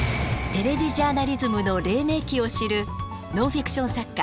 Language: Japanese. テレビジャーナリズムの黎明期を知るノンフィクション作家